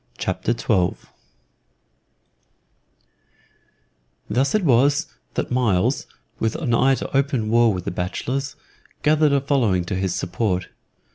CHAPTER 12 Thus it was that Myles, with an eye to open war with the bachelors, gathered a following to his support.